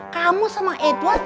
kamu sama edward